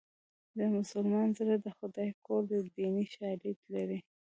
د مسلمان زړه د خدای کور دی دیني شالید لري